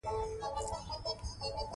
هغه به د خپل هیواد له کړکېچ څخه خلاص شوی وي.